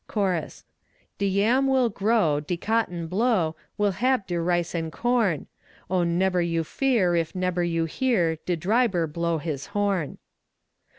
CHORUS De yam will grow, de cotton blow, We'll hab de rice an' corn, O nebber you fear if nebber you hear De driber blow his horn.